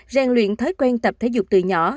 rèn luyện thói quen tập thể dục từ nhỏ